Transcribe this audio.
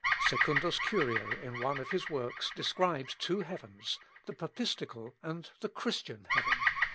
Secundus Curio, in one of his works, describes two heavens the Papistical and the Christian heaven.